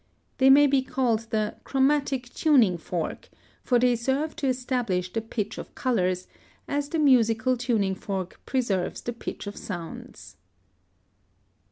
They may be called the CHROMATIC TUNING FORK, for they serve to establish the pitch of colors, as the musical tuning fork preserves the pitch of sounds.